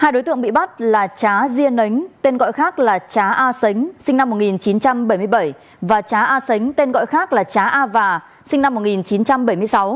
hai đối tượng bị bắt là trá riêng nấnh tên gọi khác là trá a sánh sinh năm một nghìn chín trăm bảy mươi bảy và trá a sánh tên gọi khác là trá a và sinh năm một nghìn chín trăm bảy mươi sáu